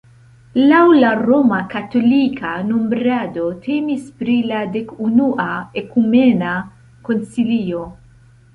Laŭ la romkatolika nombrado temis pri la dekunua ekumena koncilio.